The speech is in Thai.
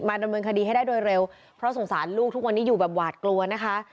ดำเนินคดีให้ได้โดยเร็วเพราะสงสารลูกทุกวันนี้อยู่แบบหวาดกลัวนะคะ